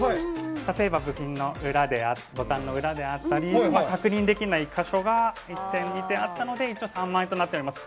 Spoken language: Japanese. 例えば、部品のボタンの裏であったり確認できない箇所が１点、２点だったので一応３万円となっております。